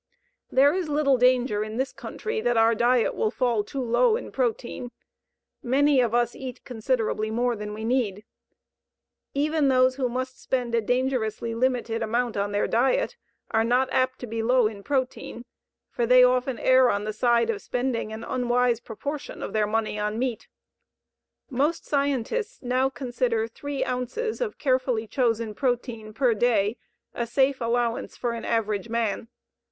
There is little danger in this country that our diet will fall too low in protein. Many of us eat considerably more than we need. Even those who must spend a dangerously limited amount on their diet, are not apt to be low in protein, for they often err on the side of spending an unwise proportion of their money on meat. Most scientists now consider three ounces of carefully chosen protein per day a safe allowance for an average man.